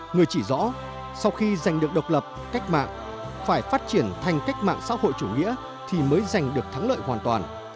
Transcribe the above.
người chỉ rõ sau khi giành được độc lập cách mạng phải phát triển thành cách mạng xã hội chủ nghĩa thì mới giành được thắng lợi hoàn toàn